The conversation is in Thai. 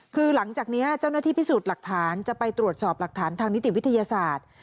คือหลังจากนี้เจ้าหน้าที่พิสูจน์หลักฐานจะไปตรวจสอบหลักฐานทางนิติวิทยาศาสตร์